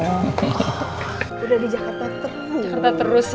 udah di jakarta terus